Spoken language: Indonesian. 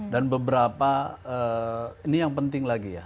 dan beberapa ini yang penting lagi ya